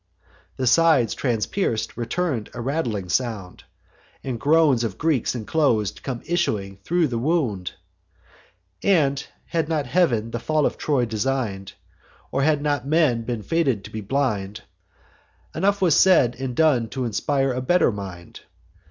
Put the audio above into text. The sides, transpierc'd, return a rattling sound, And groans of Greeks inclos'd come issuing thro' the wound And, had not Heav'n the fall of Troy design'd, Or had not men been fated to be blind, Enough was said and done t'inspire a better mind.